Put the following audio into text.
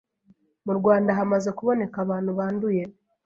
mu Rwanda hamaze kuboneka abantu banduye